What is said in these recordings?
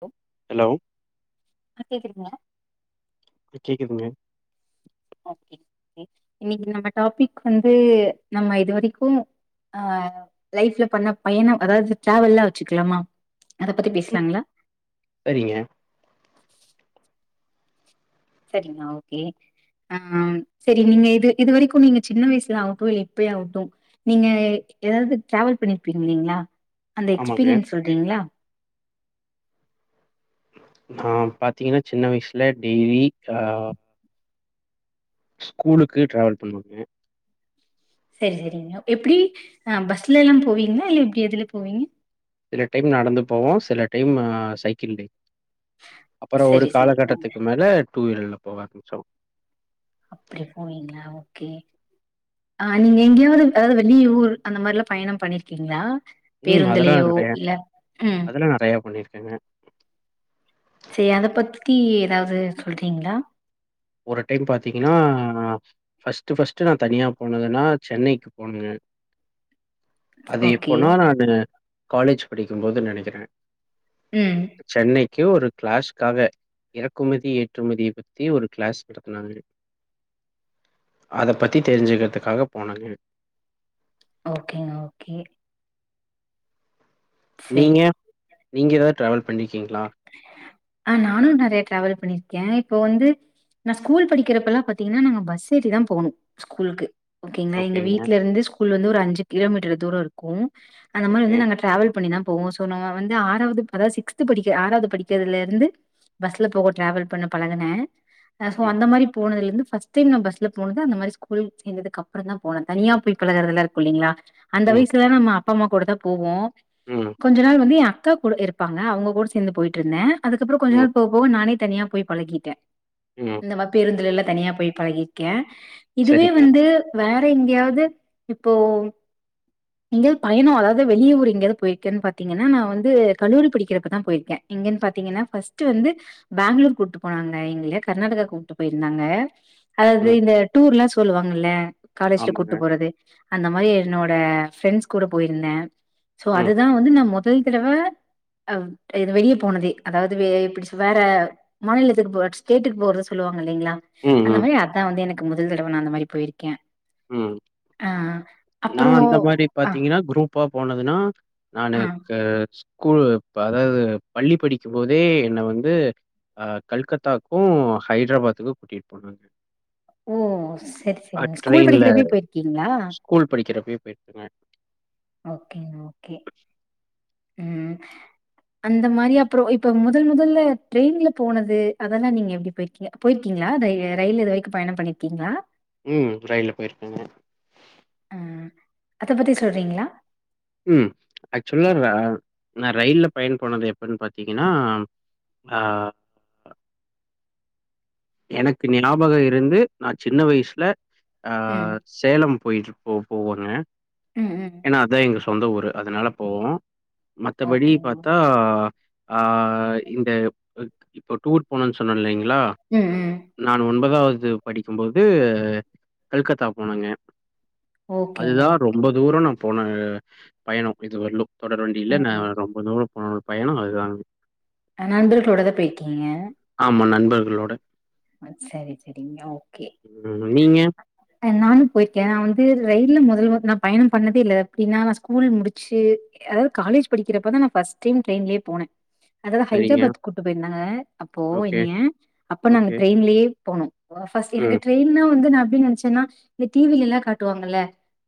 Low hello அ கேக்குதுங்க கேக்குதுங்க ஓகே கேக் இன்னைக்கு நம்ம டாபிக் வந்து நம்ம இது வரைக்கு அ லைஃப்ல பண்ண பயணம் அதாவது ட்ரவல்லா வச்சுக்கலாமா அத பத்தி ம் பேசலாங்களா சரிங்க சரிங்களா ஓகே ஆ செரி நீங்க இது இது வரைக்கு நீங்க சின்ன வயசுல ஆவட்டு இல்ல இப்பயா ஆவட்டு நீங்க ஏதாவது டிராவல் பண்ணிருப்பீங்க இல்லீங்ளா அந்த ஆமாங்க எக்ஸ்பீரியன்ஸ் சொல்றீங்களா ஆ பாத்தீங்கன்னா சின்ன வயசுல டெய்லி ஆ ஸ்கூலுக்கு டிராவல் பண்ணுவங்க சரி சரிங்க எப்பிடி அ பஸ்ல எல்லா போவீங்களா இல்ல எப்டி எதுல போவீங்க சில டைம் நடந்து போவோ சில டைம் அ சைக்கிள் அப்பறோ ஒரு சரி சரிங்க காலகட்டத்துக்கு மேல டூ வீலர்ல போக ஆரம்மிச்சோ அப்டி போவீங்களா ஓகே அ நீங்க எங்கேயாவது அதாவது வெளீ ஊர் அந்த மாரில்லா பயணம் பண்ணிருக்கீங்களா ம் அதெல்லா பேருந்திலியோ நெறைய இல்ல உம் அதெல்லா நெறைய பண்ணியிருக்கேங்க சே அத பத்தி ஏதாவது சொல்றீங்களா ஒரு டைம் பாத்தீங்கன்னா ஃபர்ஸ்ட்டு ஃபர்ஸ்ட்‌டு நா தனியா போனதுனா சென்னைக்கு போனே அது ஓகே எப்போனா நானு காலேஜ் படிக்கும்போது நெனைக்கறே உம் சென்னைக்கு ஒரு க்ளாஷ்காக இறக்குமதி ஏற்றுமதிய பத்தி ஒரு க்ளாஸ் நடத்துனாங்க அத பற்றி தெரிஞ்சுக்கிறதுக்காக போனங்க ஓகேங்க ஓகே நீங்க சரி நீங்க ஏதாவது ட்ராவல் பண்ணியிருக்கீங்களா ஆ நானு நெறைய டிராவல் பண்ணிருக்கே இப்போ வந்து நா ஸ்கூல் படிக்கிறப்பெல்லா பாத்தீங்கனா நாங்க பஸ் ஏறி தா போனு ஸ்கூல்க்கு ஓகேங்கலா எங்க ஓகேங்க. வீட்ல இருந்து ஸ்கூல் வந்து ஒரு அஞ்சு கிலோமீட்டர் தூர இருக்கு அந்த மாரி ஓகே. வந்து நாங்க டிரராவல் பண்ணிதா போவோ சோ நம்ம வந்து ஆறாவது அதாவது சிக்ஸ்து படிக்க ஆறாவது படிக்கறதுலிர் ந்து பஸ்ல போக டிராவல் பண்ண பழகன அ சோ ம். அந்த மாரி போனதுலிர்ந்து ஃபர்ஸ்ட் ட் டைம் நா பஸ்ல போனது அந்த மாரி ஸ்கூல் சேர்ந்ததுக்கப்பறோ தா போன தனியா போய் பழகறதல்லா இருக்கு இல்லேங்களா அந்த ம். வயசுல நம்ம அப்பா அம்மா கூட தா போவோ உம் கொஞ்ச நாள் வந்து எ அக்கா கூட இருப்பாங்க அவுங்க கூட சேர்ந்து போயிட்ருந்தே அதுக்கப்புறோ கொஞ்ச ம். நாள் போ ப்போ நானே தனியா போய் பழகிட்டே ம். இந்த மார் பேருந்துலெல்லா தனியா போய் பழகிற்க்கே இதுவே சரிங்க. வந்து வேற எங்கயாவது இப்போ எங்கயாவது பயனோ அதாவது வெளிய ஊர் எங்கயாவது போயிருக்கேன் பாத்தீங்கன்னா நா வந்து கல்லூரி படிக்கிறப்பதா போயிருக்கே எங்கன் பாத் தீங்கனா ஃபர்ஸ்ட்டு வந்து பேங்களூர் கூட்டு போனாங்க எங்களய கர்நாடகா கூப்ட்டு போயிருந்தாங்க அதாவ்து ம். இந்த டூர்ல்லா சொல்லுவாங்கல்ல காலேஜ்ல ஆமாங்க. கூட்டு போறது அந்த மாரி என்னோட ஃரெண்ட்ஸ் கூட போயிருந்தே சோ ம். அதுதா வந்து நா மொத் ட்வெல்த்ல தா அ இ வெளிய போனதே அதாவது வே எப்டி சொ வேற மாநிலத்துக் போக ஸ்டேட்டுக்கு போறத் சொல்லுவாங் இல்லேங்களா ம். அந்த ம். மாரி அத்தா வந்து எனக்கு முதல் தடவ நா அந்த மாரி போயிருக்கே உம் ஆ அ நா அந்த மாரி பாத்தீங்கனா குரூப்பா போனதுனா நானு ஆ [unintelligible] கூலு ப் அதாவது பள்ளி படிக்கும் போதே என்ன வந்து அ கல்கத்தாவுக்கு ஹைட்ராபாத்துக்கு கூட்டிட்டு போனாங்க ஓ செர் அ செரிங்க ஸ்கூல் ட்ரெயின்ல படிக்கிறப்பவே போயிருக்கீங்களா ஸ்கூல் படிக்கிறப்பவே போயிருக்கங்க ஓகே ஓகே உம் அந்த மாரி அப்பறோ இப்ப முதல் முதல்ல ட்ரெயின்ல போனது அதெல்லா நீங்க எப்டி போயிருக் கீங்க போயிருக்கீங்ளா த ர ரயில்ல இது வரைக்கு பயணம் பண்ணிருக்கீங்களா உம் ரயில போயிருக்கங்க ம் அத பத்தி சொல்றீங்களா ம் ஆக்சுவல்லா நா ரயில்ல பயண போனது எப்பனு பாத்தீங்கன்னா ஆ எனக்கு ஞாபக இருந்து நா சின்ன வய்சுல ஆ ம். சேலம் போயி போ போவாங்க ம், ம். ஏன்னா அதுதா எங்க சொந்த ஊரு அதுனால போவோ மத்த படி ஓகேங்க. பாத்தா ஆ ஆ இந்த இப்ப டூர் போனே சொன்ன இல்லங்களா ம் ம் நான் ஒன்பதாவது படிக்கும் போது கல்கத்தா போனங்க ஓகேங்க ரொம்ப தூர நா போனா பயணோ இது வரலும் தொடர் வண்டில ம், நா ம். ரொம் ரொம்ப தூர போன பயணோ அதுதாங்க அ நண்பர்களோட தா பெய்கீங்க ஆமா நண்பர்களோட அ சரி சேரி அ ஓகே ம் நீங்க நானு போயிருக்க நா வந்து ரயில்ல மெதல் முத நா பயண பண்ணதே இல்ல எப்டின்னா நா ஸ்கூல் முடிச்சு அதாவது காலேஜ் படிக்கிறப்பதா ஃபஸ்ட்டே டைம் ட்ரெயின்லே போன அத சரிங்க. ஹைதராபாத் கூட்டு போயிருந்தாங்க அப்போ ஓகே, என்னிய அப்ப நாங்க ஓகே. ட்ரெயின்லயே போனோ ஃபர்ஸ்ட் எனக்கு ம், ட்ரெயின்னா வந்து நா எப்டி நினச்ச ன்னா இந்த டி வில எல்லா காட்டுவாங்கல்ல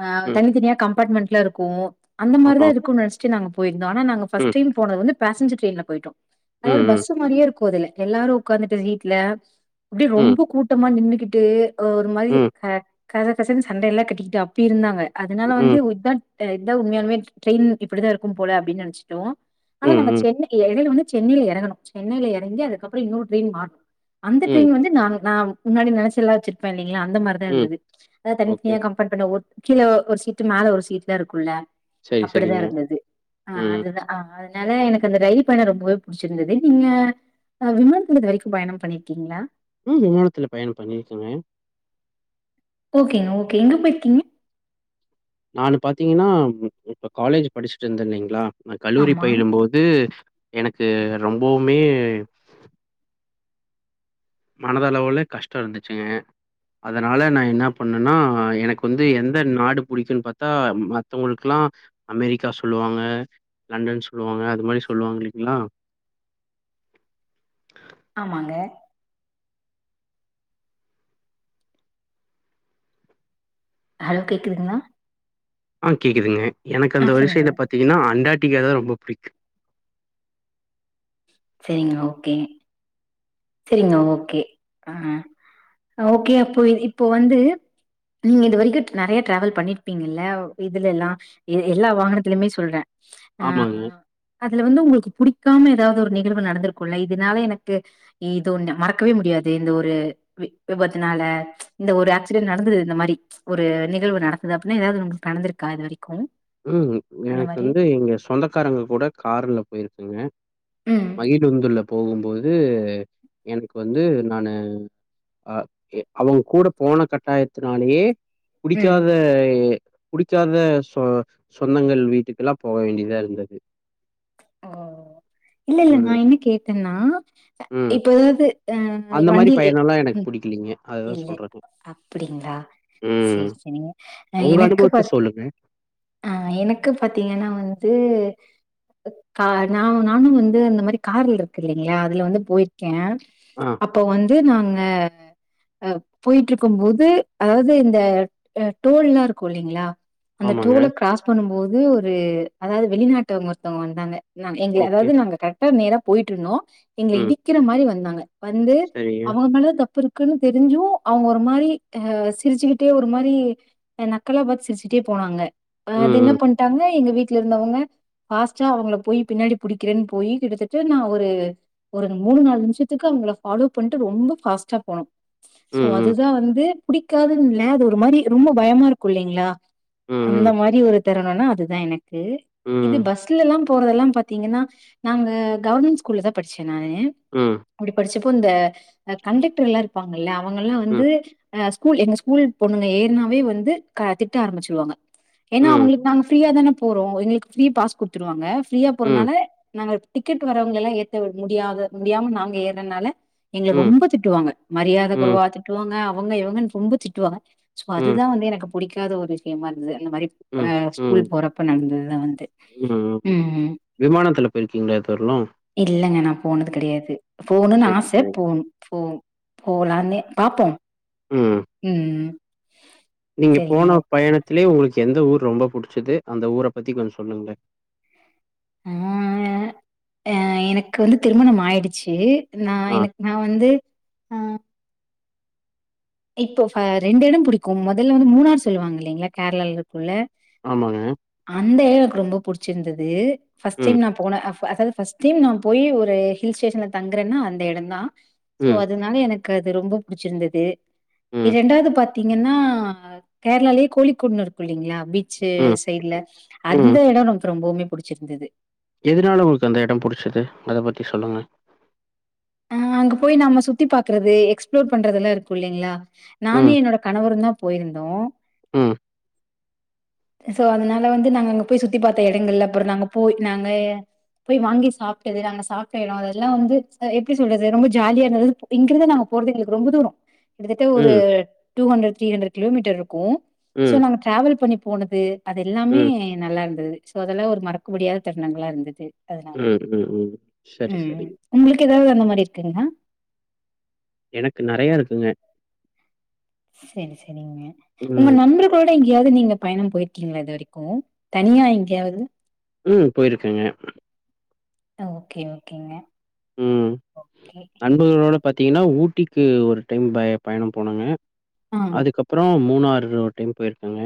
ஆ ம். தனி தனியா கம்பாட்மெண்ட் லா இருக்கும் அந்த ஆமா. மாரிதா இருக்கும் நெனச்சுட்டு நாங்க போயிருந்தோ ஆனா நாங்க பஸ்ட் ம், டைம் போனது வந்து பேசஞ்சர் ட்ரெயின்ல போய்டோ ம், அதாது ம், பஸ் மாரியே இருக்கும் அதுல்ல எல்லாரு உக்காந்துட்டு சீட்ல அப்டியே ம், ரொம்ப கூட்டமா நின்னுகிட்டு ஒரு மாரி ம், கச கசனு சண்ட எல்லா கட்டிக்கிட்டு அப் அப்டி இருந்தாங்க அதுனால ம், வந்து ம், இதுதா இதா உண்மையாலுமே ட்ரெயின் இப்டிதா இருக்கும் போல அப்படின் நெனைச்சிட்டோ ஆனா நாங்க ம், சென்னை எடேல வந்து சென்னைல இறங்கணும் சென்னைல இறங்கி அதுக்கப்பற இன்னோர் ட்ரெயின் மார்னு அந்த ம், ட்ரெயின் வந்து நா நா முன்னாடி நினச்சுல்லா வச்சுருப்ப இல்லீங்களா அந்த மாரி தா ம். இருந்தது அதா தனி ஓகே. தனியா கம் பாட் பண்ண ஒரு கீழ ஒரு சீட் மேல ஒரு சீட்லா இருக்குல்ல சரி, அப்டிதா சரிங்க. இருந்தது ஆ ம். அதுதா ஆ அதுனால எனக்கு அந்த ரயில் பயண ரொம்பவே புடிச்சிருந்தது நீங்க அ விமானத்துலத்து இது வரைக்கும் பயண பண்ணி கீங்களா ம் விமானத்துல பயண பண்ணிருக்கங்க ஓகேங்க ஓகே எங்க போய்ருக்கீங்க நானு பாத்தீங்கன்னா இப்ப காலேஜ் படிச்சுட்டு இருந்த இல்லீங்களா நா கல்லூரி ஆமா, பயிலு போது து எனக்கு ரொம்பவுமே மனது அளவுல கஷ்ட இருந்துச்சுங்க அதுனால நா என்ன பண்ணன்னா எனக்கு வந்து எந்த நாடு புடிக்குன்னு பாத்தா மத்தவங்களுக்குல்லா அமெரிக்கா சொல்லுவாங்க லண்டன் சொல்லுவாங்க அது மாரி சொல்லுவாங்க இல்லீங்கிளா ஆமாங்க ஹலோ கேக்குதுங்களா ஆ கேக்குதுங்க எனக் ஆ அந்த சொல்லுங்க. வரிசல பாத்தீங்கன்னா அண்டார்ட்டிகா தா ரொம்ப புடிக்கும் சரிங்க ஓகே சரிங்க ஓகே ஆ ஓகே அப்ப இப்போ வந்து நீங்க இது வரைக்கும் நெறைய டிராவல் பண்ணிருப்பீங்க இல்ல இதுலல்லா எல்லா வாகனத்துலயுமே சொல்ற ஆ ஆமாங்க. அதுல வந்து உங்களுக்கு புடிக்காம ஏதாது ஒரு நிகழ்வு நடந்திருக்குல்ல இதுனால எனக்கு இது ஒன்னு மறக்கவே முடியாது இந்த ஒரு வி விபத்துனால இந்த ஒரு ஆக்சிடென்ட் நடந்தது இந்த மாரி ஒரு நிகழ்வு நடக்குது அப்டின்னா ஏதாது உங்களுக்கு நடந்திருக்கா இது வரைக்கு ம் எனக்கு வந்து எங்க சொந்தக்காரங்க கூட கார்ல போய்ருக்கேங்க ம் மகிழுந்துல போகுபோது எனக்கு வந்து நானு அஹ் அவங்க கூட போன கட்டாயத்தினாலேயே ம் புடிக்காத புடிக்காத சொந்தங்கள் வீட்டுக்கெல்லா போக வேண்டியதா இருந்தது ஓ இல்ல இல்ல நா ம், என்ன கேட்டேன்னா ம். இப்பதாவது ஆஹ் அந்த மாரி வண்டியிலே பயணம்லாம் எனக்கு பிடிக்கலீங்க. அதுதான் இல்ல சொல்றேங்க. அப்டிங்களா ம். சேரி சேரிங்க அஹ் உங்க எனக்கு ப அனுபவத்த சொல்லுங்க. ஆஹ் எனக்கு பாத்தீங்கன்னா வந்து நா நானு வந்து அந்த மாரி கார்ல இருக்கு இல்லைங்களா அதுல வந்து போயிருக்கே ஆ, அப்ப வந்து நாங்க அஹ போயிட்டு இருக்கு போது அதாவது இந்த டோல்ல்லா இருக்கு இல்லைங்களா அந்த ஆமாங்க. டோல கிராஸ் பண்ணு போது ஒரு அதாவது வெளிநாட்டவங்க ஒருத்தவங்க வந்தாங்க எங்கள ஓகே. அதாவது நாங்க கரெக்டா நேரா போயிட்டு இருந்தோ எங்கள ம். இடிக்கிற மாதிரி வந்தாங்க வந்து சரிங்க. அவங்க மேல தப்பு இருக்கு இருக்குன்னு தெரிஞ்சு அவங்க ஒரு மாரி ஆஹ் சிரிச்சுக்கிட்டே ஒரு மாரி நக்கல்லா பாத்து சிரிச்சுட்டே போனாங்க ம், அது என்ன ம். பண்ணிட்டாங்க எங்க வீட்டுல இருந்தவங்க பாஸ்ட்டா அவங்க போய் பின்னாடி பிடிக்கிறேன்னு போய் கிடுத்துட்டு நா ஒரு ஒரு மூணு நாலு நிம்சத்துக்கு அவங்க ஃபாலோ பண்ணிட்டு ரொம்ப ஃபாஸ்ட்டா போனோ ம், சோ ம். அதுதா வந்து புடிக்காதுன்னுல்ல அது ஒரு மாரி ரொம்ப பயமா இருக்கு இல்லைங்களா ம், ம். அந்த மாரி ஒரு தருணும்னா அதுதா எனக்கு இது ம், பஸ்ல எல்லா போறதெல்லா பாத்த பாத்தீங்கன்னா நாங்க கவர்மெண்ட் ஸ்கூல்ல தா படிச்சே நானு ம் அப்டி படிச்சப்போ இந்த கண்டக்டர் எல்லா இருப்பாங்கல்ல அவங்க எல்லா ம், வந்து அஹ் ஸ்கூல் எங்க ஸ்கூல் பொண்ணுங்க ஏறுனாவே வந்து திட்ட ஆரம்பிச்சுடுவாங்க ஏன்னா ம், அவங்களுக்கு நாங்க ஃப்ரீயா தானே போறோ எங்களுக்கு ஃப்ரீய பாஸ் கொடுத்துருவாங்க ஃப்ரீயா ம், ம், போறனால நாங்க டிக்கெட் வரவங்க எல்லா ஏற்ற முடியது முடியாம நாங்க ஏறதுனால எங்களை ம், ரொம்ப திட்டுவாங்க மரியாதை குறைவா திட்டுவாங்க அவங்க இவங்கன்னு ரொம்ப திட்டுவாங்க சோ ம், அதுதா வந்து எனக்கு பிடிக்காத ஒரு விஷயமா இருந்தது அந்த மாரி ம், அஹ் ஸ்கூல் போறப்ப நடந்ததுதா வந்து ம் ம் விமானத்துல போயிருக்கீங்களா இத வரையு இல்லங்க நா போனது கிடையாது போணுன்னு சரி, ஆசை சரி. போணு போகு போகலாம்னு பாப்போ ம் ம் நீங்க சரிங்க போன ஓகே. பயணத்திலயே உங்களுக்கு எந்த ஊர் ரொம்ப புடிச்சது அந்த ஊரை பத்தி கொஞ்சோ சொல்லுங்களே ஆஹ எனக்கு வந்து திருமண ஆயிடுச்சு நா ஆ, எனக்கு நா வந்து ஆஹ் இப்போ ரெண்டு இட பிடிக்கு முதல்ல வந்து மூணாார் சொல்லுவாங்க இல்லைங்களா கேரளால இருக்கும்ள்ள ஆமாங்க அந்த இட எனக்கு ரொம்ப புடிச்சிருந்தது பஸ்ட் ம், டைம் நா போன அதாவதுட் டைம் நா போய் ஒரு ஹில் ஸ்டேஷன்ல தங்குறேன்னா அந்த இடம் தா சோ ம், அது அதனால எனக்கு அது ரொம்ப புடிச்சிருந்தது ம், ரெண்டாவது பாத்தீங்கன்னா கேரளாலே கோழிக்கூட்ன் இருக்கில்லைங்களா பீ ச்சு ம், சைட்ல அந்த ம். எடோ ரொம் நமக் ரொம்பவுமே புடிச்சிருந்துது எதுனால உங்களுக்கு அந்த எடம் புடிச்சது அத பத்தி சொல்லுங்க ஆ அங்க போய் நம்ம சுத்தி பாக்குறது எக்ஸ்ப்ளோர் பண்றதுல்லா இருக்கு இல்லலைங்களா ம், நானு என்னோட கணவருந்தா போயிருந்தோ ம் சோ அதனால வந்து நாங்க அங்க போய் சுத்தி பாத்த எடங்கள்ல அப்புறோ நாங்க போய் நாங்க போய் வாங்கி சாப்டது நாங்க சாப்ட எடோ அதெல்லா வந்து எப்டி சொல்றது ரொம்ப ஜாலியா இருந்தது இப் இங்கிருந்து நாங்க போறது எங்களுக்கு ரொம்ப தூரோ கிட்டத்தட்ட ஒரு ம், டூ ஹண்ட்ரட் த்ரீ ஹண்ட்ரட் கிலோமீட்டருக்கு ம், சோ ம், நாங்க டிராவல் பண்ணி போனது அது எல்லாமே ம், நல்லா இருந்தது சோ அதெல்லா ஒரு மறக்க முடியாத தருணங்களா இருந்தது அதனால ம் ம் ம் சரி ம் சரிங்க உங்களுக்கு எதாவது அந்த மாரி இருக்குங்ளா எனக்கு நெறயா இருக்குங்க செரி செரிங்க உங்க ம், நண்பரு கூட எங்கேயாவ்து நீங்க பயணம் போய்ருக்கீங்ளா இது வரிக்கு தனியா எங்கேயாவது ம் போயிருக்கேங்க அ ஓகே ஓகேங்க ம் ஓகே நண்பர்களோடு பாத்தீங்கன்னா ஊட்டிக்கு ஒரு டைம் பய பயணம் போனோங்க ஆ அதுக்கப்புறோம் மூணாரு ஒரு டைம் போய்ருக்கேங்க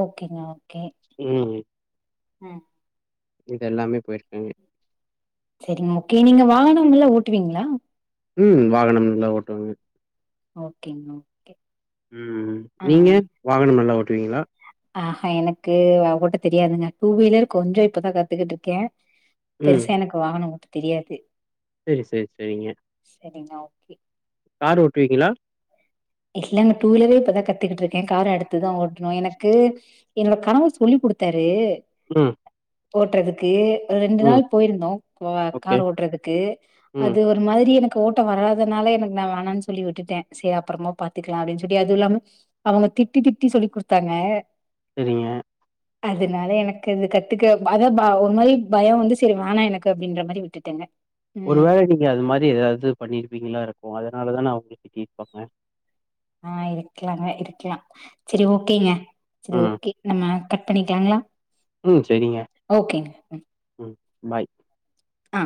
ஓகேங்க ஓகே ம் ம் இதெல்லாமே போய்ருக்கேங்க செரிங்க ஓகே நீங்க வாகனமெல்லா ஓட்டுவீங்ளா ம் வாகனம் நல்லா ஓட்டுவேங்க ஓகேங்க ஓகே ம். ஆ ஆ நீங்க வாகனம் நல்லா ஓட்டுவீங்ளா ஆ ஹா எனக்கு ஓட்ட தெரியாதுங்க டூ வீலர் கொஞ்சோ இப்பதா கத்துக்கிட்ருக்கே பெருசா எனக்கு வாகனோ ஓட்ட தெரியாது செரி செரி செரிங்க செரிங்க ஓகே கார் ஓட்டுவீங்களா இல்லங்க டூ வீலரே இப்பதா கத்துக்கிட்ருக்கே காரு அடுத்துதா ஓட்ணு எனக்கு என்னோட கணவர் சொல்லி குடுத்தாரு ம் ஓட்றதுக்கு ரெண்டு ம். நாள் போயிருந்தோ க அ ஓகே. கார் ஓட்றதுக்கு ம். அது ஒ ரு மாதிரி எனக்கு ஓட்ட வராதுனால எனக்கு நா வேணான் சொல்லி விட்டுட்டே செரி அப்பறமா பாத்துக்கலா அப்டின் சொல்லி அதுவு இல்லாம அவுங்க திட்டி திட்டி சொல்லி குடுத்தாங்க செரிங்க அதனால எனக்கு அது கத்துக்க ப அத ப ஒரு மாரி பயோ வந்து செரி வேணா எனக்கு அப்டின்ற மாரி விட் டுட்டேங்க ஒரு வேள நீங்க அது மாரி ஏதாவது பண்ணிருப்பீங்களா இருக்கும் அதனாலதான அவுங்க திட்டி இருப்பாங்க ஆ இருக்கலாங்க இருக்கலா சரி ஓகேங்க சரி ம், ஓகே நம்ம கட் பண்ணிக்கலாங்களா ம் சரிங்க ஓகேங்க. ம் பாய் ஆ